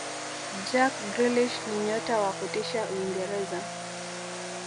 jack grielish ni nyota wa kutisha uingereza